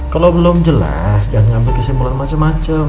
kalau belum jelas jangan ngambil kesimpulan macem macem